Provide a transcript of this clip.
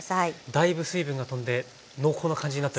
だいぶ水分が飛んで濃厚な感じになっております。